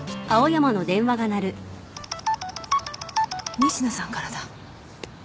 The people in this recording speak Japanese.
仁科さんからだ。